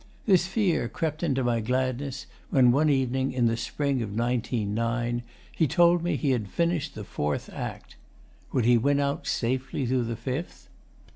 This fear crept into my gladness when, one evening in the spring of 1909, he told me he had finished the Fourth Act. Would he win out safely through the Fifth?